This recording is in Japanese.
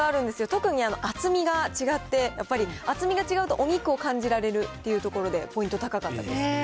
特に厚みが違って、やっぱり厚みが違うと、お肉を感じられるっていうところで、ポイント高かったです。